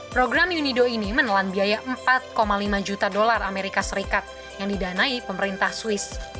program unido ini menelan biaya empat lima juta dolar amerika serikat yang didanai pemerintah swiss